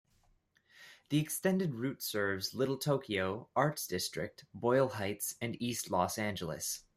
The extended route serves Little Tokyo, Arts District, Boyle Heights and East Los Angeles.